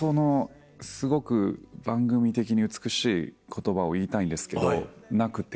すごく番組的に美しい言葉を言いたいんですけどなくて。